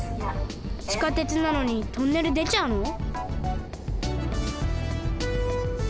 地下鉄なのにトンネルでちゃうの？